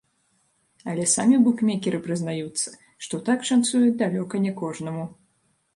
Але самі букмекеры прызнаюцца, што так шанцуе далёка не кожнаму.